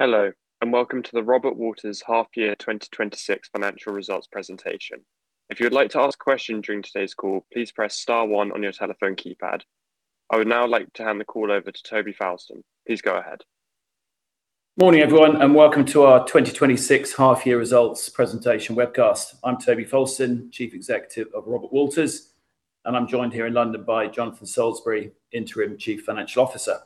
Hello, and welcome to the Robert Walters half-year 2026 financial results presentation. If you would like to ask a question during today's call, please press star one on your telephone keypad. I would now like to hand the call over to Toby Fowlston. Please go ahead. Morning, everyone, and welcome to our 2026 half-year results presentation webcast. I'm Toby Fowlston, Chief Executive of Robert Walters, and I'm joined here in London by Jonathan Solesbury, Interim Chief Financial Officer.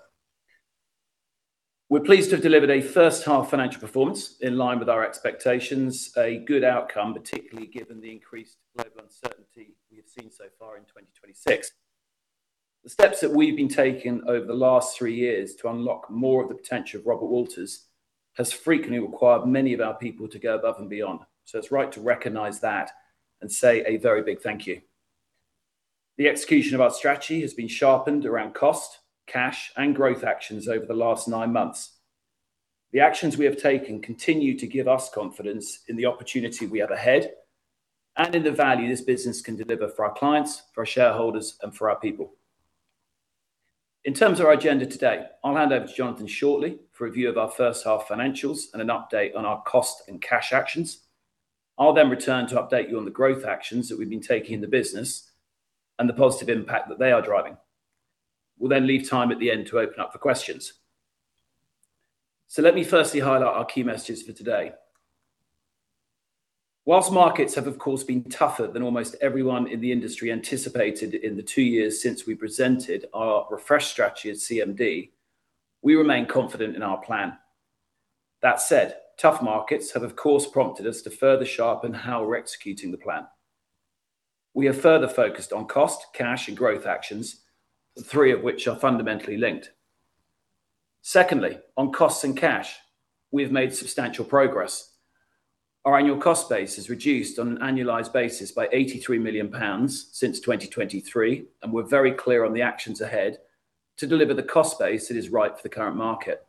We're pleased to have delivered a first-half financial performance in line with our expectations, a good outcome, particularly given the increased global uncertainty we have seen so far in 2026. The steps that we've been taking over the last three years to unlock more of the potential of Robert Walters has frequently required many of our people to go above and beyond, so it's right to recognize that and say a very big thank you. The execution of our strategy has been sharpened around cost, cash, and growth actions over the last nine months. The actions we have taken continue to give us confidence in the opportunity we have ahead and in the value this business can deliver for our clients, for our shareholders, and for our people. In terms of our agenda today, I'll hand over to Jonathan shortly for a view of our first-half financials and an update on our cost and cash actions. I'll then return to update you on the growth actions that we've been taking in the business and the positive impact that they are driving. We'll then leave time at the end to open up for questions. Let me firstly highlight our key messages for today. Whilst markets have, of course, been tougher than almost everyone in the industry anticipated in the two years since we presented our refresh strategy at CMD, we remain confident in our plan. That said, tough markets have, of course, prompted us to further sharpen how we're executing the plan. We are further focused on cost, cash, and growth actions, the three of which are fundamentally linked. Secondly, on costs and cash, we have made substantial progress. Our annual cost base has reduced on an annualized basis by 83 million pounds since 2023, and we're very clear on the actions ahead to deliver the cost base that is right for the current market.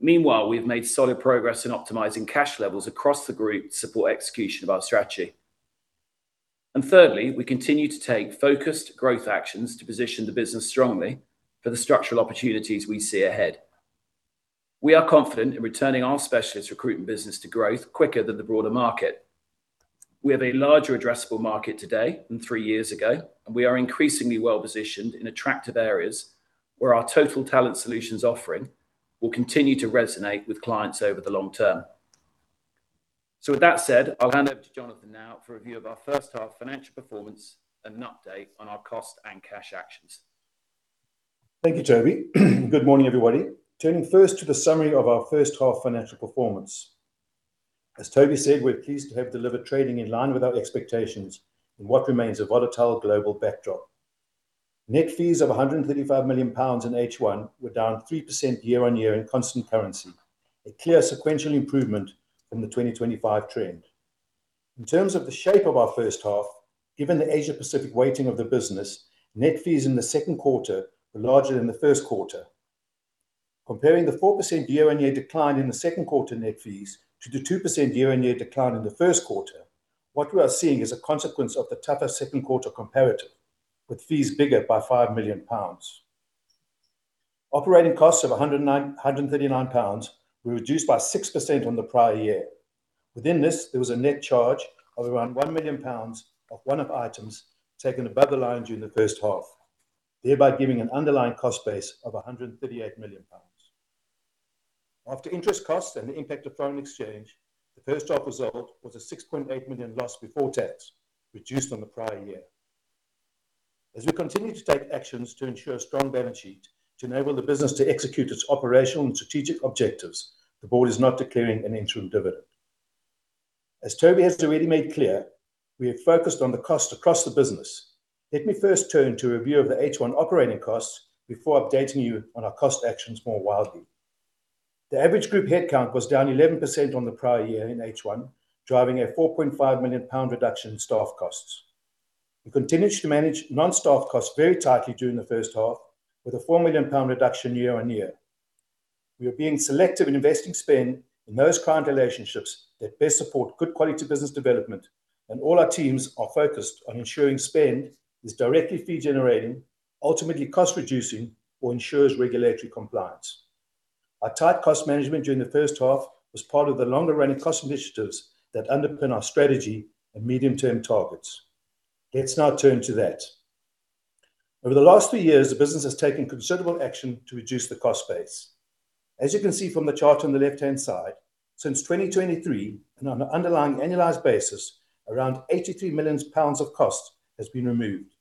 Meanwhile, we've made solid progress in optimizing cash levels across the group to support execution of our strategy. Thirdly, we continue to take focused growth actions to position the business strongly for the structural opportunities we see ahead. We are confident in returning our specialist recruitment business to growth quicker than the broader market. We have a larger addressable market today than three years ago, we are increasingly well-positioned in attractive areas where our total talent solutions offering will continue to resonate with clients over the long term. With that said, I'll hand over to Jonathan Solesbury now for a review of our first half financial performance and an update on our cost and cash actions. Thank you, Toby Fowlston. Good morning, everybody. Turning first to the summary of our first-half financial performance. As Toby Fowlston said, we're pleased to have delivered trading in line with our expectations in what remains a volatile global backdrop. Net fees of 135 million pounds in H1 were down 3% year-on-year in constant currency, a clear sequential improvement from the 2025 trend. In terms of the shape of our first half, given the Asia Pacific weighting of the business, net fees in the second quarter were larger than the first quarter. Comparing the 4% year-on-year decline in the second quarter net fees to the 2% year-on-year decline in the first quarter, what we are seeing is a consequence of the tougher second quarter comparative with fees bigger by 5 million pounds. Operating costs of 139 pounds were reduced by 6% on the prior year. Within this, there was a net charge of around 1 million pounds of one-off items taken above the line during the first half, thereby giving an underlying cost base of 138 million pounds. After interest costs and the impact of foreign exchange, the first half result was a 6.8 million loss before tax, reduced on the prior year. As we continue to take actions to ensure a strong balance sheet to enable the business to execute its operational and strategic objectives, the board is not declaring an interim dividend. As Toby has already made clear, we have focused on the cost across the business. Let me first turn to a review of the H1 operating costs before updating you on our cost actions more widely. The average group headcount was down 11% on the prior year in H1, driving a 4.5 million pound reduction in staff costs. We continued to manage non-staff costs very tightly during the first half with a GBP 4 million reduction year-on-year. All our teams are focused on ensuring spend is directly fee generating, ultimately cost reducing, or ensures regulatory compliance. Our tight cost management during the first half was part of the longer-running cost initiatives that underpin our strategy and medium-term targets. Let's now turn to that. Over the last three years, the business has taken considerable action to reduce the cost base. As you can see from the chart on the left-hand side, since 2023, and on an underlying annualized basis, around 83 million pounds of cost has been removed.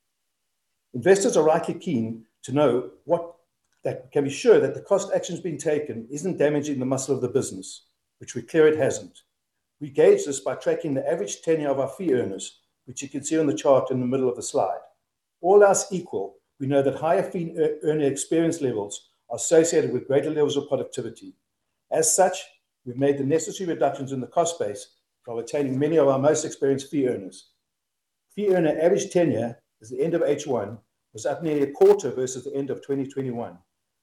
Investors are rightly keen to know they can be sure that the cost actions being taken isn't damaging the muscle of the business, which we're clear it hasn't. We gauge this by tracking the average tenure of our fee earners, which you can see on the chart in the middle of the slide. All else equal, we know that higher fee earner experience levels are associated with greater levels of productivity. As such, we've made the necessary reductions in the cost base while retaining many of our most experienced fee earners. Fee earner average tenure at the end of H1 was up nearly a quarter versus the end of 2021,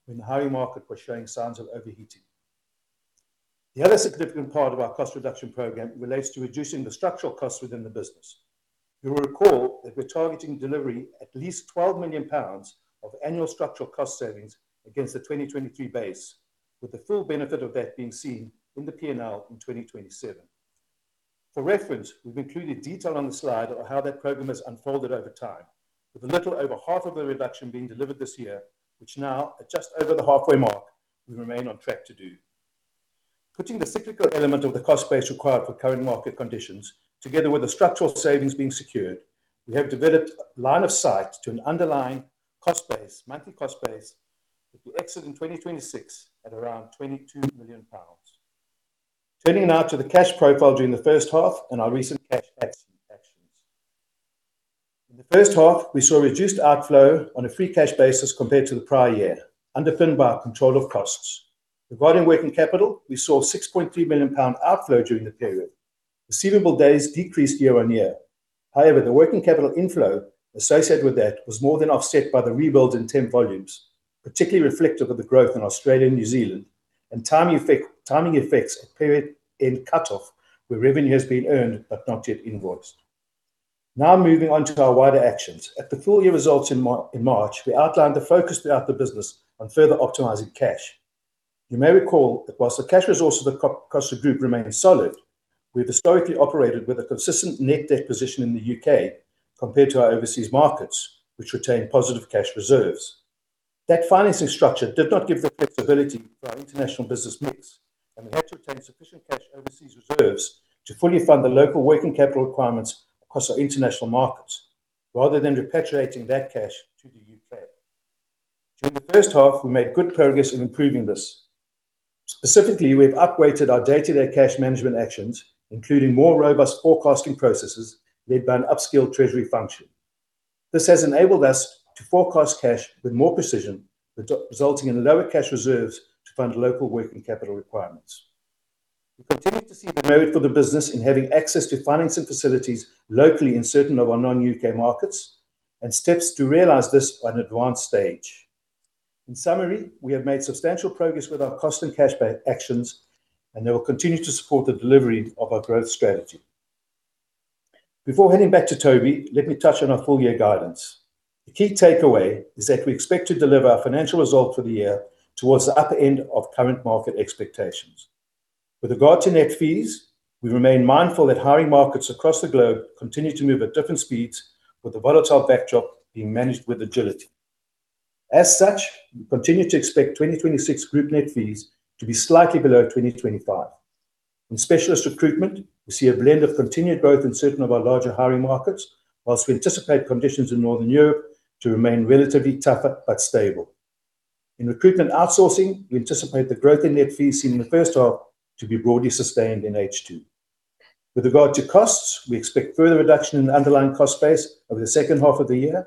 when the hiring market was showing signs of overheating. The other significant part of our cost reduction program relates to reducing the structural costs within the business. You'll recall that we're targeting delivery at least 12 million pounds of annual structural cost savings against the 2023 base, with the full benefit of that being seen in the P&L in 2027. For reference, we've included detail on the slide of how that program has unfolded over time, with a little over half of the reduction being delivered this year, which now at just over the halfway mark, we remain on track to do. Putting the cyclical element of the cost base required for current market conditions together with the structural savings being secured, we have developed line of sight to an underlying monthly cost base that will exit in 2026 at around 22 million pounds. Turning now to the cash profile during the first half and our recent cash actions. In the first half, we saw reduced outflow on a free cash basis compared to the prior year, underpinned by our control of costs. Regarding working capital, we saw a 6.3 million pound outflow during the period. Receivable days decreased year-on-year. However, the working capital inflow associated with that was more than offset by the rebuild in temp volumes, particularly reflective of the growth in Australia and New Zealand, and timing effects at period-end cutoff where revenue has been earned but not yet invoiced. Now moving on to our wider actions. At the full year results in March, we outlined the focus throughout the business on further optimizing cash. You may recall that whilst the cash resources across the group remain solid, we've historically operated with a consistent net debt position in the U.K. compared to our overseas markets, which retain positive cash reserves. That financing structure did not give the flexibility for our international business mix, and we had to obtain sufficient cash overseas reserves to fully fund the local working capital requirements across our international markets, rather than repatriating that cash to the U.K. During the first half, we made good progress in improving this. Specifically, we've up-weighted our day-to-day cash management actions, including more robust forecasting processes led by an upskilled treasury function. This has enabled us to forecast cash with more precision, resulting in lower cash reserves to fund local working capital requirements. We continue to see the merit for the business in having access to financing facilities locally in certain of our non-U.K. markets and steps to realize this are at an advanced stage. In summary, we have made substantial progress with our cost and cash actions, and they will continue to support the delivery of our growth strategy. Before handing back to Toby, let me touch on our full-year guidance. The key takeaway is that we expect to deliver our financial result for the year towards the upper end of current market expectations. With regard to net fees, we remain mindful that hiring markets across the globe continue to move at different speeds, with a volatile backdrop being managed with agility. As such, we continue to expect 2026 group net fees to be slightly below 2025. In specialist recruitment, we see a blend of continued growth in certain of our larger hiring markets, whilst we anticipate conditions in Northern Europe to remain relatively tougher but stable. In recruitment outsourcing, we anticipate the growth in net fees seen in the first half to be broadly sustained in H2. With regard to costs, we expect further reduction in underlying cost base over the second half of the year,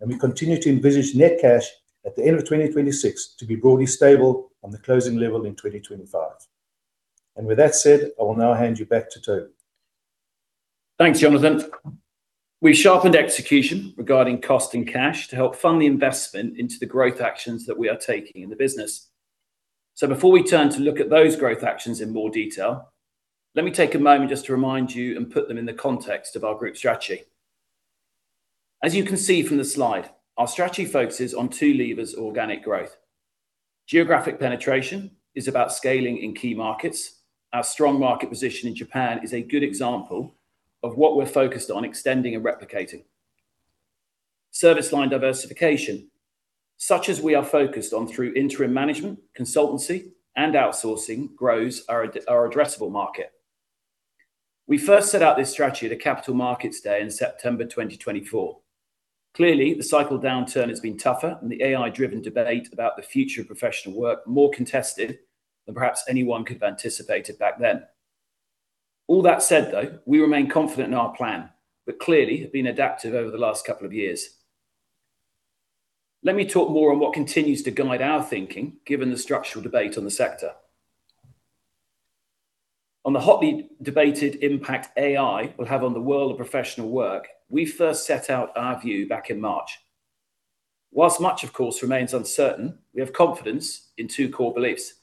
we continue to envisage net cash at the end of 2026 to be broadly stable on the closing level in 2025. With that said, I will now hand you back to Toby. Thanks, Jonathan. We've sharpened execution regarding cost and cash to help fund the investment into the growth actions that we are taking in the business. Before we turn to look at those growth actions in more detail, let me take a moment just to remind you and put them in the context of our group strategy. As you can see from the slide, our strategy focuses on two levers of organic growth. Geographic penetration is about scaling in key markets. Our strong market position in Japan is a good example of what we're focused on extending and replicating. Service line diversification, such as we are focused on through interim management, consultancy, and outsourcing, grows our addressable market. We first set out this strategy at a capital markets day in September 2024. Clearly, the cycle downturn has been tougher and the AI-driven debate about the future of professional work more contested than perhaps anyone could've anticipated back then. All that said, though, we remain confident in our plan, but clearly have been adaptive over the last couple of years. Let me talk more on what continues to guide our thinking, given the structural debate on the sector. On the hotly debated impact AI will have on the world of professional work, we first set out our view back in March. Whilst much, of course, remains uncertain, we have confidence in two core beliefs.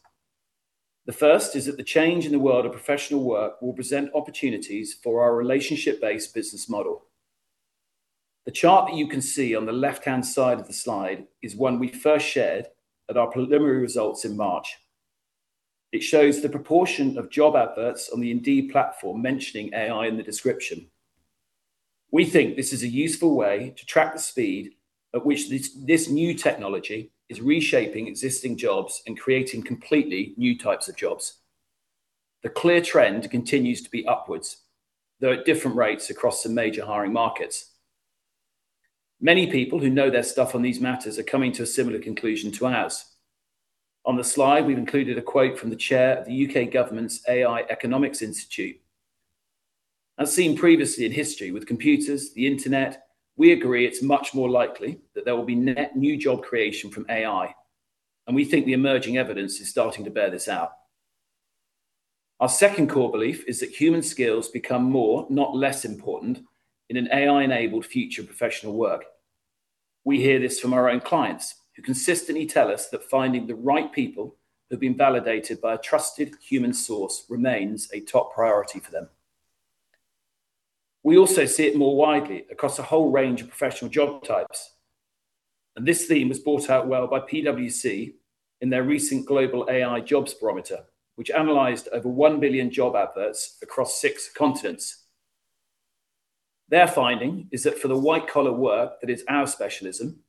The first is that the change in the world of professional work will present opportunities for our relationship-based business model. The chart that you can see on the left-hand side of the slide is one we first shared at our preliminary results in March. It shows the proportion of job adverts on the Indeed platform mentioning AI in the description. We think this is a useful way to track the speed at which this new technology is reshaping existing jobs and creating completely new types of jobs. The clear trend continues to be upwards, though at different rates across the major hiring markets. Many people who know their stuff on these matters are coming to a similar conclusion to ours. On the slide, we've included a quote from the chair of the U.K. government's AI Economics Institute. As seen previously in history with computers, the internet, we agree it's much more likely that there will be net new job creation from AI, and we think the emerging evidence is starting to bear this out. Our second core belief is that human skills become more, not less important in an AI-enabled future of professional work. We hear this from our own clients, who consistently tell us that finding the right people who've been validated by a trusted human source remains a top priority for them. We also see it more widely across a whole range of professional job types, and this theme was brought out well by PwC in their recent Global AI Jobs Barometer, which analyzed over 1 billion job adverts across six continents. Their finding is that for the white-collar work that is our specialism,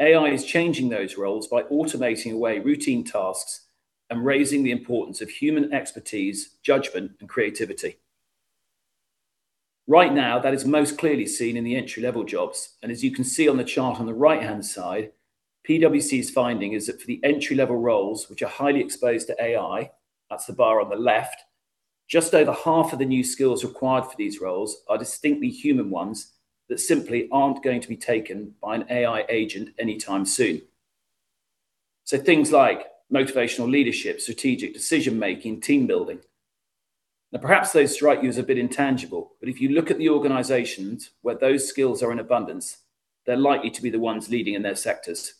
AI is changing those roles by automating away routine tasks and raising the importance of human expertise, judgment, and creativity. Right now, that is most clearly seen in the entry-level jobs. As you can see on the chart on the right-hand side, PwC's finding is that for the entry-level roles, which are highly exposed to AI, that's the bar on the left, just over half of the new skills required for these roles are distinctly human ones that simply aren't going to be taken by an AI agent anytime soon. Things like motivational leadership, strategic decision-making, team building. Perhaps those strike you as a bit intangible, but if you look at the organizations where those skills are in abundance, they're likely to be the ones leading in their sectors.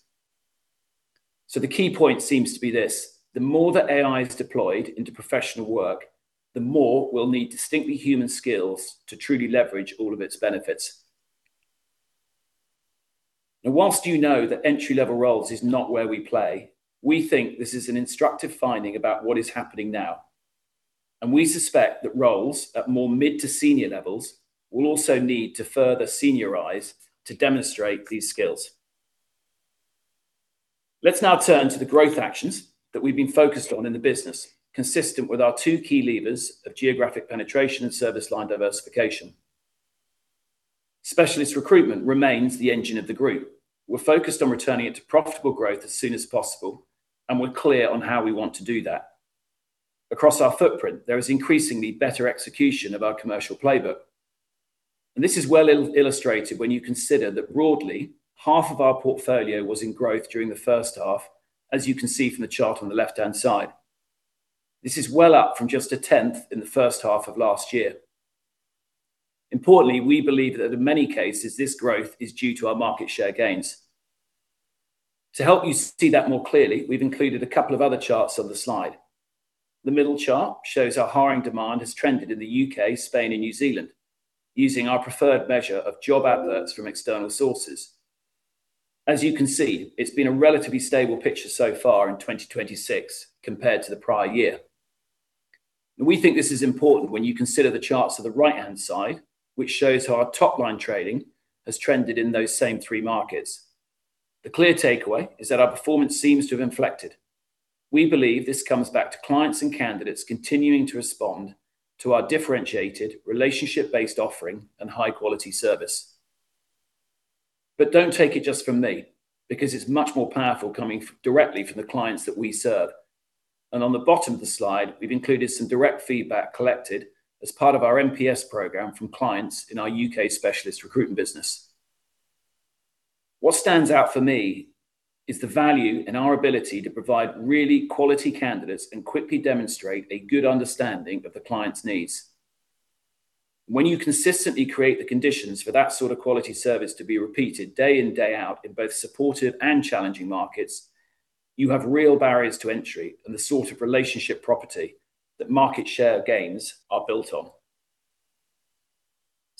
The key point seems to be this, the more that AI is deployed into professional work, the more we'll need distinctly human skills to truly leverage all of its benefits. Whilst you know that entry-level roles is not where we play, we think this is an instructive finding about what is happening now. We suspect that roles at more mid to senior levels will also need to further seniorize to demonstrate these skills. Let's now turn to the growth actions that we've been focused on in the business, consistent with our two key levers of geographic penetration and service line diversification. Specialist recruitment remains the engine of the group. We're focused on returning it to profitable growth as soon as possible. We're clear on how we want to do that. Across our footprint, there is increasingly better execution of our commercial playbook, and this is well illustrated when you consider that broadly, half of our portfolio was in growth during the first half, as you can see from the chart on the left-hand side. This is well up from just a tenth in the first half of last year. Importantly, we believe that in many cases, this growth is due to our market share gains. To help you see that more clearly, we've included a couple of other charts on the slide. The middle chart shows how hiring demand has trended in the U.K., Spain, and New Zealand using our preferred measure of job adverts from external sources. As you can see, it's been a relatively stable picture so far in 2026 compared to the prior year. We think this is important when you consider the charts at the right-hand side, which shows how our top-line trading has trended in those same three markets. The clear takeaway is that our performance seems to have inflected. We believe this comes back to clients and candidates continuing to respond to our differentiated relationship-based offering and high-quality service. Don't take it just from me, because it's much more powerful coming directly from the clients that we serve, and on the bottom of the slide, we've included some direct feedback collected as part of our NPS program from clients in our U.K. specialist recruitment business. What stands out for me is the value in our ability to provide really quality candidates and quickly demonstrate a good understanding of the client's needs. When you consistently create the conditions for that sort of quality service to be repeated day in, day out in both supportive and challenging markets, you have real barriers to entry and the sort of relationship property that market share gains are built on.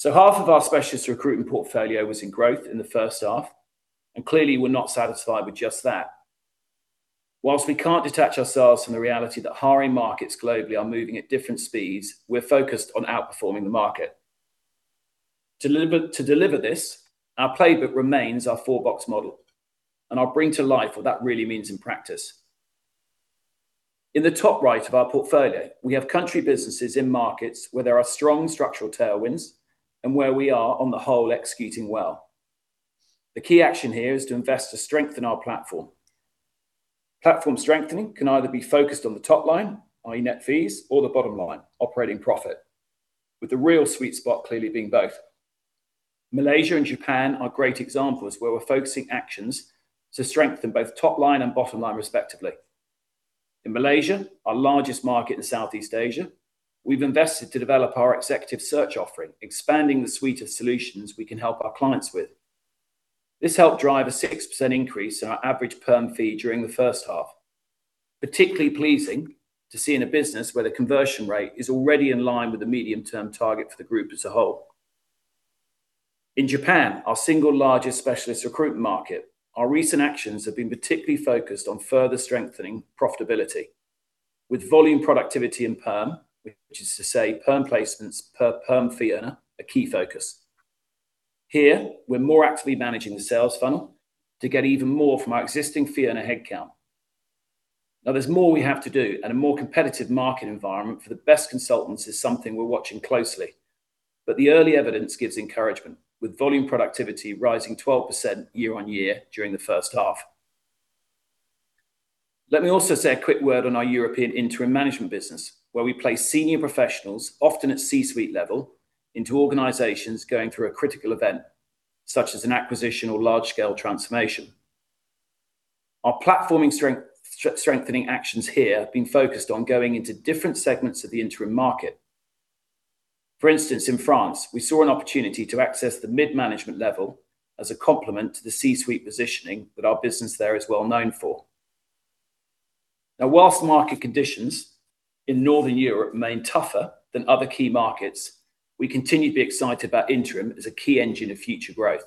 Half of our specialist recruitment portfolio was in growth in the first half, and clearly, we're not satisfied with just that. Whilst we can't detach ourselves from the reality that hiring markets globally are moving at different speeds, we're focused on outperforming the market. To deliver this, our playbook remains our four-box model, and I'll bring to life what that really means in practice. In the top right of our portfolio, we have country businesses in markets where there are strong structural tailwinds and where we are, on the whole, executing well. The key action here is to invest to strengthen our platform. Platform strengthening can either be focused on the top line, i.e., net fees, or the bottom line, operating profit, with the real sweet spot clearly being both. Malaysia and Japan are great examples where we're focusing actions to strengthen both top line and bottom line, respectively. In Malaysia, our largest market in Southeast Asia, we've invested to develop our executive search offering, expanding the suite of solutions we can help our clients with. This helped drive a 6% increase in our average perm fee during the first half. Particularly pleasing to see in a business where the conversion rate is already in line with the medium-term target for the group as a whole. In Japan, our single largest specialist recruitment market, our recent actions have been particularly focused on further strengthening profitability. With volume productivity and perm, which is to say perm placements per perm fee earner, a key focus. Here, we're more actively managing the sales funnel to get even more from our existing fee earner headcount. There's more we have to do, and a more competitive market environment for the best consultants is something we're watching closely. The early evidence gives encouragement, with volume productivity rising 12% year-on-year during the first half. Let me also say a quick word on our European interim management business, where we place senior professionals, often at C-suite level, into organizations going through a critical event, such as an acquisition or large-scale transformation. Our platform strengthening actions here have been focused on going into different segments of the interim market. For instance, in France, we saw an opportunity to access the mid-management level as a complement to the C-suite positioning that our business there is well known for. Whilst market conditions in Northern Europe remain tougher than other key markets, we continue to be excited about interim as a key engine of future growth,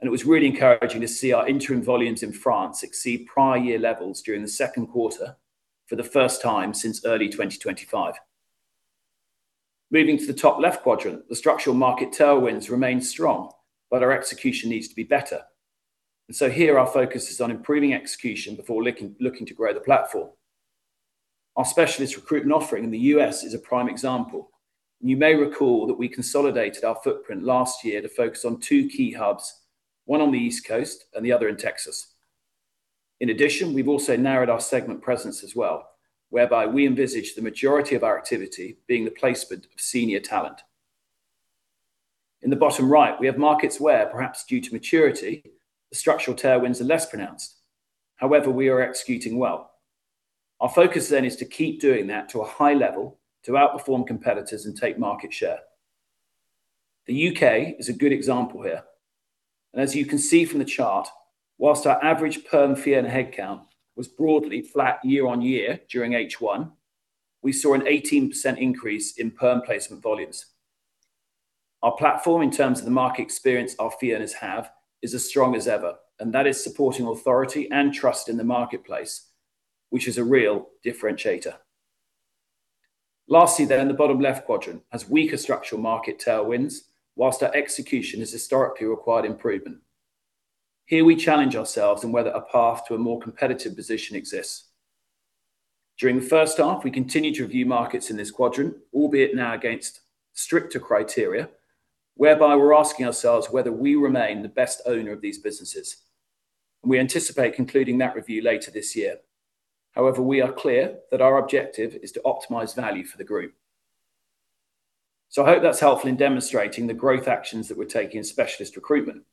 and it was really encouraging to see our interim volumes in France exceed prior year levels during the second quarter for the first time since early 2025. Moving to the top left quadrant, the structural market tailwinds remain strong, but our execution needs to be better. Here our focus is on improving execution before looking to grow the platform. Our specialist recruitment offering in the U.S. is a prime example, and you may recall that we consolidated our footprint last year to focus on two key hubs, one on the East Coast and the other in Texas. In addition, we've also narrowed our segment presence as well, whereby we envisage the majority of our activity being the placement of senior talent. In the bottom right, we have markets where, perhaps due to maturity, the structural tailwinds are less pronounced. However, we are executing well. Our focus is to keep doing that to a high level to outperform competitors and take market share. The U.K. is a good example here. As you can see from the chart, whilst our average perm fee and headcount was broadly flat year-on-year during H1, we saw an 18% increase in perm placement volumes. Our platform in terms of the market experience our fee earners have is as strong as ever, and that is supporting authority and trust in the marketplace, which is a real differentiator. Lastly, in the bottom left quadrant, has weaker structural market tailwinds, whilst our execution has historically required improvement. Here we challenge ourselves on whether a path to a more competitive position exists. During the first half, we continued to review markets in this quadrant, albeit now against stricter criteria, whereby we're asking ourselves whether we remain the best owner of these businesses. We anticipate concluding that review later this year. However, we are clear that our objective is to optimize value for the group. I hope that's helpful in demonstrating the growth actions that we're taking in specialist recruitment.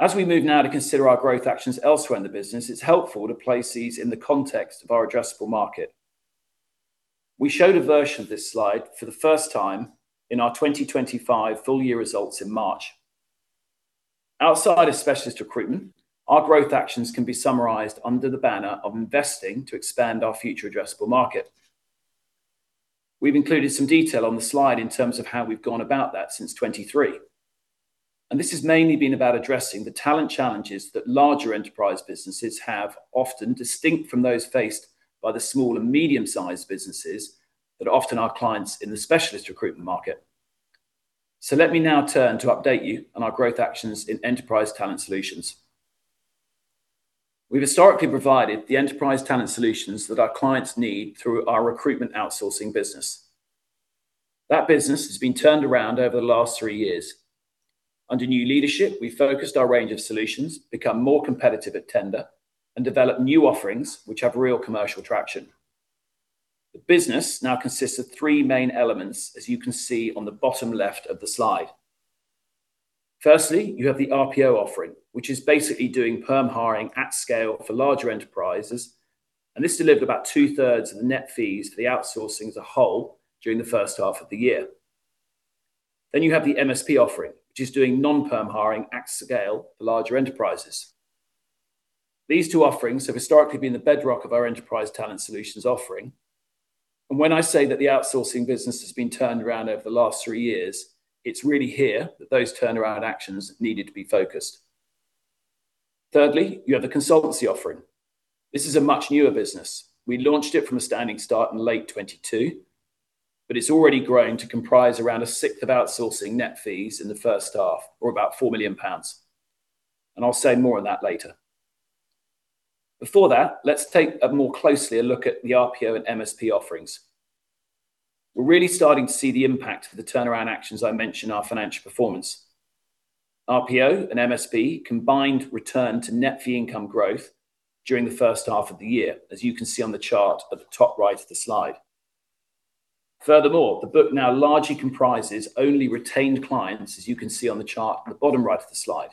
As we move now to consider our growth actions elsewhere in the business, it's helpful to place these in the context of our addressable market. We showed a version of this slide for the first time in our 2025 full year results in March. Outside of specialist recruitment, our growth actions can be summarized under the banner of investing to expand our future addressable market. We've included some detail on the slide in terms of how we've gone about that since 2023. This has mainly been about addressing the talent challenges that larger enterprise businesses have often distinct from those faced by the small and medium-sized businesses that are often our clients in the specialist recruitment market. Let me now turn to update you on our growth actions in enterprise talent solutions. We've historically provided the enterprise talent solutions that our clients need through our recruitment outsourcing business. That business has been turned around over the last three years. Under new leadership, we focused our range of solutions, become more competitive at tender, and develop new offerings which have real commercial traction. The business now consists of three main elements, as you can see on the bottom left of the slide. Firstly, you have the RPO offering, which is basically doing perm hiring at scale for larger enterprises. This delivered about two-thirds of the net fees for the outsourcing as a whole during the first half of the year. You have the MSP offering, which is doing non-perm hiring at scale for larger enterprises. These two offerings have historically been the bedrock of our enterprise talent solutions offering, and when I say that the outsourcing business has been turned around over the last three years, it's really here that those turnaround actions needed to be focused. Thirdly, you have the consultancy offering. This is a much newer business. We launched it from a standing start in late 2022, but it's already grown to comprise around a sixth of outsourcing net fees in the first half, or about 4 million pounds. I'll say more on that later. Before that, let's take a more closely a look at the RPO and MSP offerings. We're really starting to see the impact of the turnaround actions I mentioned in our financial performance. RPO and MSP combined return to net fee income growth during the first half of the year, as you can see on the chart at the top right of the slide. Furthermore, the book now largely comprises only retained clients, as you can see on the chart at the bottom right of the slide.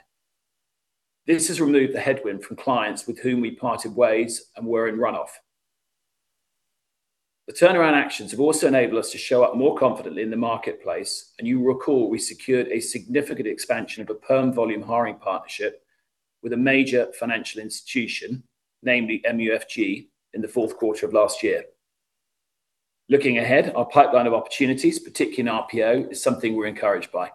This has removed the headwind from clients with whom we parted ways and were in runoff. The turnaround actions have also enabled us to show up more confidently in the marketplace, and you recall we secured a significant expansion of a perm volume hiring partnership with a major financial institution, namely MUFG, in the fourth quarter of last year. Looking ahead, our pipeline of opportunities, particularly in RPO, is something we're encouraged by.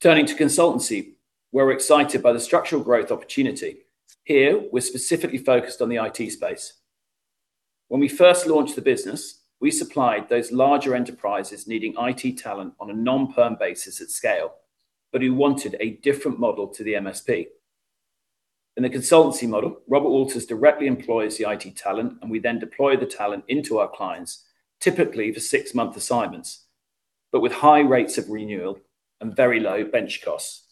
Turning to consultancy, we're excited by the structural growth opportunity. Here, we're specifically focused on the IT space. When we first launched the business, we supplied those larger enterprises needing IT talent on a non-perm basis at scale but who wanted a different model to the MSP. In the consultancy model, Robert Walters directly employs the IT talent, and we then deploy the talent into our clients, typically for six-month assignments, but with high rates of renewal and very low bench costs.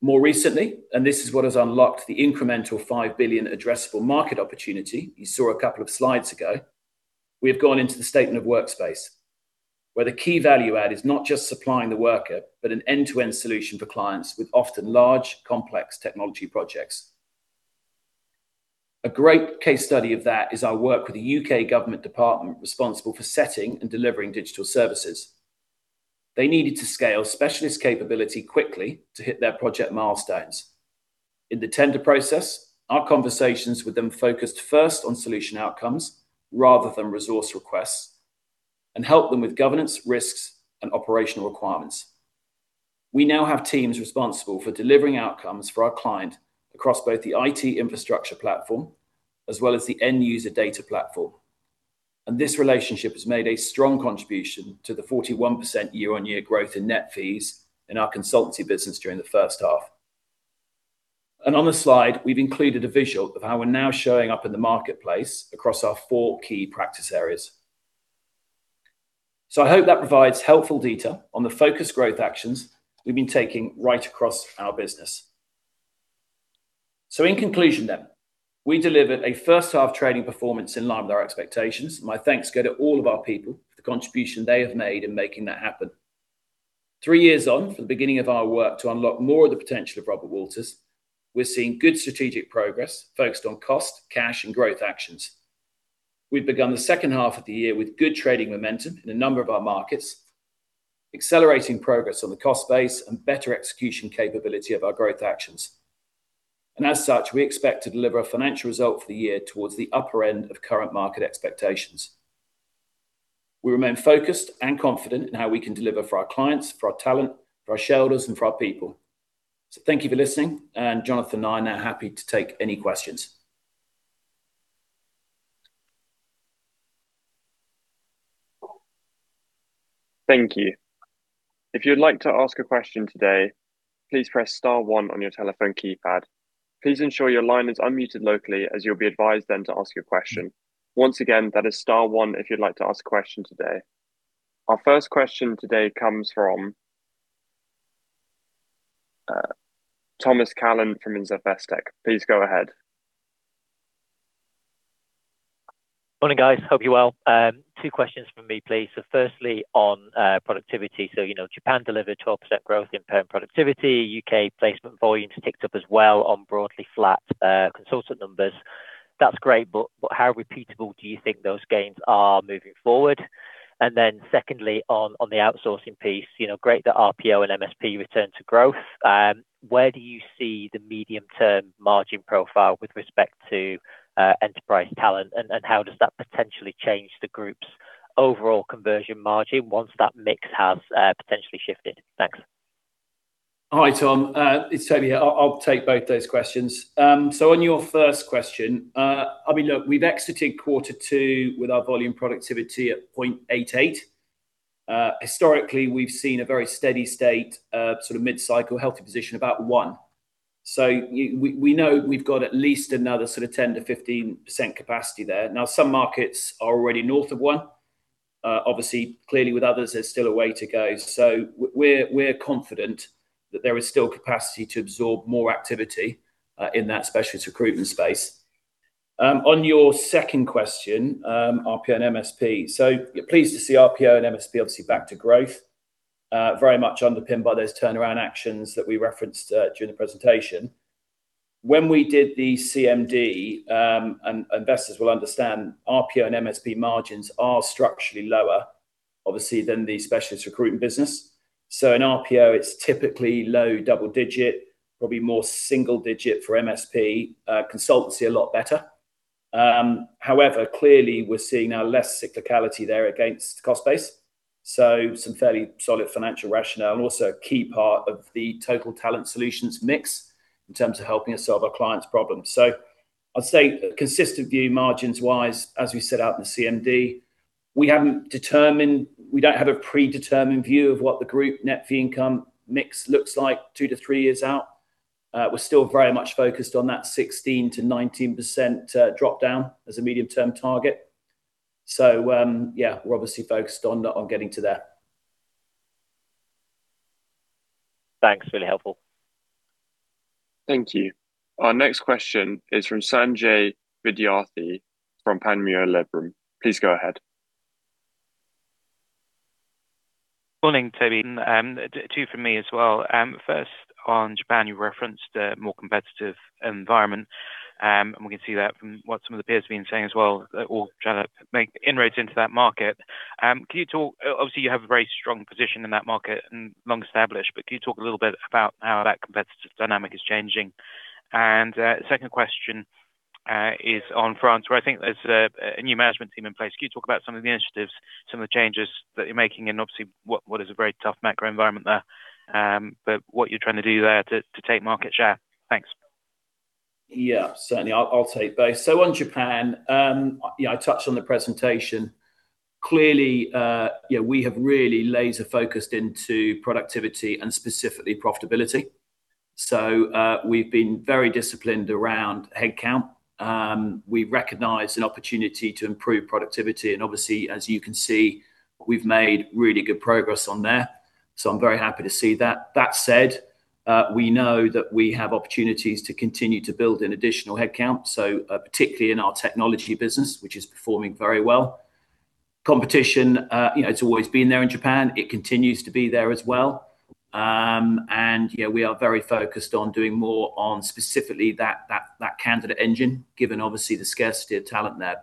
More recently, this is what has unlocked the incremental 5 billion addressable market opportunity you saw a couple of slides ago, we have gone into the Statement of Work where the key value add is not just supplying the worker, but an end-to-end solution for clients with often large, complex technology projects. A great case study of that is our work with the U.K. government department responsible for setting and delivering digital services. They needed to scale specialist capability quickly to hit their project milestones. In the tender process, our conversations with them focused first on solution outcomes rather than resource requests, and help them with governance, risks, and operational requirements. This relationship has made a strong contribution to the 41% year-on-year growth in net fees in our consultancy business during the first half. On the slide, we've included a visual of how we're now showing up in the marketplace across our four key practice areas. I hope that provides helpful detail on the focused growth actions we've been taking right across our business. In conclusion then, we delivered a first half trading performance in line with our expectations. My thanks go to all of our people for the contribution they have made in making that happen. Three years on from the beginning of our work to unlock more of the potential of Robert Walters, we're seeing good strategic progress focused on cost, cash, and growth actions. We've begun the second half of the year with good trading momentum in a number of our markets, accelerating progress on the cost base, and better execution capability of our growth actions. As such, we expect to deliver a financial result for the year towards the upper end of current market expectations. We remain focused and confident in how we can deliver for our clients, for our talent, for our shareholders, and for our people. Thank you for listening, and Jonathan and I are now happy to take any questions. Thank you. If you'd like to ask a question today, please press star one on your telephone keypad. Please ensure your line is unmuted locally, as you'll be advised then to ask your question. Once again, that is star one if you'd like to ask a question today. Our first question today comes from Thomas Callan from Investec. Please go ahead. Morning, guys. Hope you're well. Two questions from me, please. Firstly, on productivity. You know Japan delivered 12% growth in perm productivity, U.K. placement volumes ticked up as well on broadly flat consultant numbers. That's great, but how repeatable do you think those gains are moving forward? Secondly, on the outsourcing piece, great that RPO and MSP returned to growth. Where do you see the medium-term margin profile with respect to enterprise talent, and how does that potentially change the group's overall conversion margin once that mix has potentially shifted? Thanks. Hi, Tom. It's Toby here. I'll take both those questions. On your first question, look, we've exited quarter two with our volume productivity at 0.88. Historically, we've seen a very steady state of mid-cycle healthy position about one. We know we've got at least another sort of 10%-15% capacity there. Some markets are already north of one. Obviously, clearly with others, there's still a way to go. We're confident that there is still capacity to absorb more activity in that specialist recruitment space. On your second question, RPO and MSP. Pleased to see RPO and MSP obviously back to growth. Very much underpinned by those turnaround actions that we referenced during the presentation. When we did the CMD, investors will understand RPO and MSP margins are structurally lower, obviously, than the specialist recruitment business. In RPO, it's typically low double digit, probably more single digit for MSP, consultancy a lot better. However, clearly we're seeing now less cyclicality there against cost base. Some fairly solid financial rationale, and also a key part of the total talent solutions mix in terms of helping us solve our clients' problems. I'd say consistent view margins-wise, as we set out in the CMD. We don't have a predetermined view of what the group net fee income mix looks like two to three years out. We're still very much focused on that 16%-19% drop-down as a medium-term target. Yeah, we're obviously focused on getting to that. Thanks. Really helpful. Thank you. Our next question is from Sanjay Vidyarthi from Panmure Liberum. Please go ahead. Morning, Toby. Two from me as well. First, on Japan, you referenced a more competitive environment. We can see that from what some of the peers have been saying as well that all trying to make inroads into that market. Obviously you have a very strong position in that market and long established, but can you talk a little bit about how that competitive dynamic is changing? Second question is on France, where I think there's a new management team in place. Can you talk about some of the initiatives, some of the changes that you're making, and obviously, what is a very tough macro environment there, but what you're trying to do there to take market share. Thanks. Yeah. Certainly, I'll take both. On Japan, I touched on the presentation. Clearly, we have really laser-focused into productivity and specifically profitability. We've been very disciplined around headcount. We recognized an opportunity to improve productivity, and obviously, as you can see, we've made really good progress on there. I'm very happy to see that. That said, we know that we have opportunities to continue to build an additional headcount, particularly in our technology business, which is performing very well. Competition, it's always been there in Japan. It continues to be there as well. We are very focused on doing more on specifically that candidate engine, given obviously the scarcity of talent there.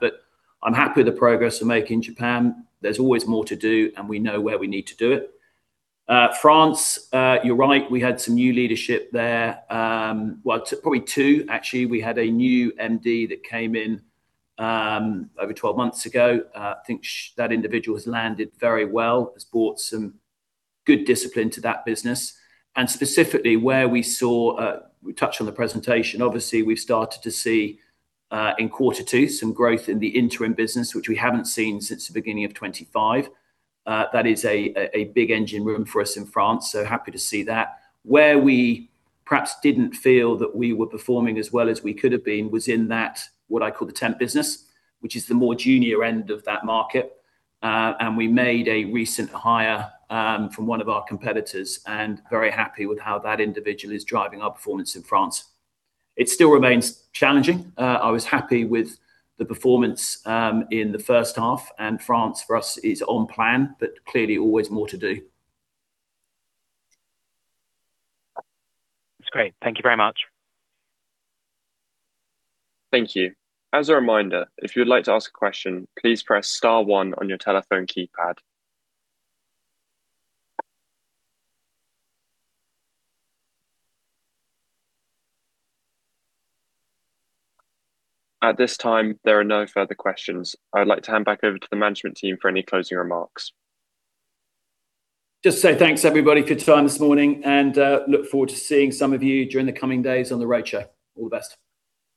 I'm happy with the progress we're making in Japan. There's always more to do, and we know where we need to do it. France, you're right, we had some new leadership there. Well, probably two, actually. We had a new MD that came in over 12 months ago. I think that individual has landed very well, has brought some good discipline to that business, and specifically where we saw, we touched on the presentation, obviously we've started to see, in quarter two, some growth in the interim business, which we haven't seen since the beginning of 2025. That is a big engine room for us in France, so happy to see that. Where we perhaps didn't feel that we were performing as well as we could have been was in that, what I call the temp business, which is the more junior end of that market. We made a recent hire from one of our competitors, and very happy with how that individual is driving our performance in France. It still remains challenging. I was happy with the performance in the first half. France for us is on plan, clearly always more to do. That's great. Thank you very much. Thank you. As a reminder, if you would like to ask a question, please press star one on your telephone keypad. At this time, there are no further questions. I would like to hand back over to the management team for any closing remarks. Just to say thanks, everybody, for your time this morning, look forward to seeing some of you during the coming days on the roadshow. All the best.